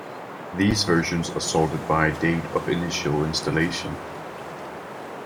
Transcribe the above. These versions are sorted by date of initial installation.